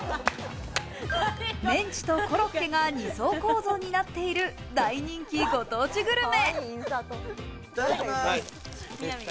メンチとコロッケが２層構造になっている大人気ご当地グルメ。